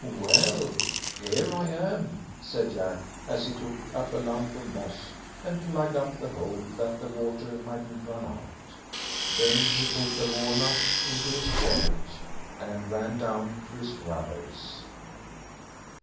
"Well, here I am", said Jack, as he took up a lump of moss and plugged up the hole, that the water mightn't run out. Then he put the walnut into his wallet, and ran down to his brothers.